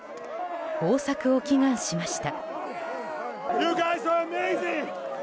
豊作を祈願しました。